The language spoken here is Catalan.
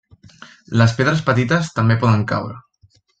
Les pedres petites també poden caure.